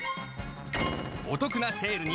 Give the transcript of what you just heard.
お得なセールに